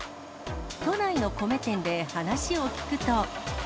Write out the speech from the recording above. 都内の米店で話を聞くと。